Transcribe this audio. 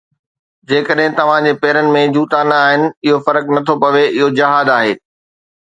جيڪڏهن توهان جي پيرن ۾ جوتا نه آهن، اهو فرق نٿو پوي، اهو جهاد آهي.